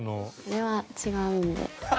あれは違うんで。